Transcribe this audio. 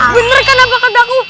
bener kan apa kadaku